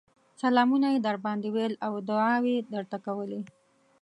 سلامونه يې درباندې ويل او دعاوې يې درته کولې